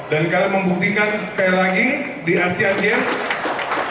dan kalian membuktikan sekali lagi di asean games